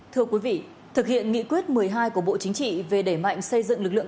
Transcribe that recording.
thưa quý vị thực hiện nghị quyết một mươi hai của bộ chính trị về đẩy mạnh xây dựng lực lượng